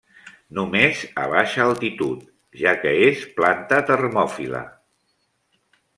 Només a baixa altitud, ja que és planta termòfila.